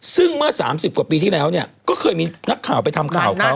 ซึ่งเมื่อ๓๐กว่าปีที่แล้วก็เคยมีนักข่าวไปทำข่าวเขา